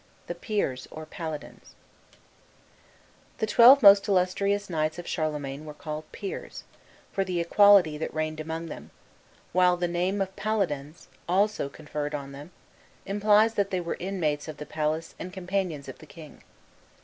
THE PEERS, OR PALADINS The twelve most illustrious knights of Charlemagne were called Peers, for the equality that reigned among them; while the name of Paladins, also conferred on them, implies that they were inmates of the palace and companions of the king.